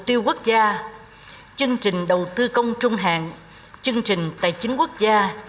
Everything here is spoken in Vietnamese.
mục tiêu quốc gia chương trình đầu tư công trung hạn chương trình tài chính quốc gia